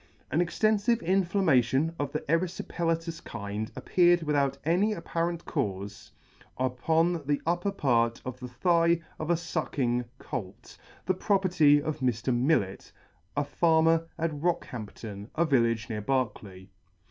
An extenfive inflammation of the eryfipelatous kind appeared without any apparent caufe upon the upper part of the thigh of a fucking colt, the property of Mr. Millet, a farmer at Rockhampton, a village near Berkeley.